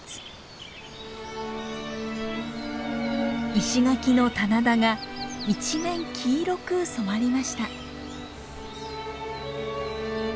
石垣の棚田が一面黄色く染まりました。